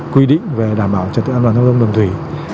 quy định về đảm bảo trật tự an toàn giao thông đường thủy